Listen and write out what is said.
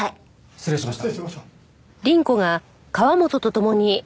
失礼しました。